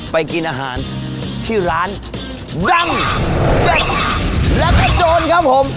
กินอาหารที่ร้านดังเด็ดแล้วก็โจรครับผม